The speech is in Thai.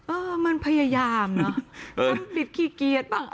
เออมันพยายามเนอะมันปิดขี้เกียจป่ะ